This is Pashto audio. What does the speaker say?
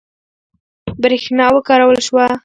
برېښنا وکارول شوه.